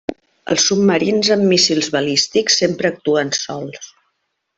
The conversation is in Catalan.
Els submarins amb míssils balístics sempre actuen sols.